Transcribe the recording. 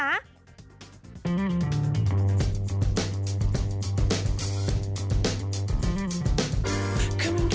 สวัสดีครับ